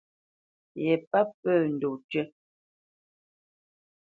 Ye páp pə́ ndɔ̂ tʉ́.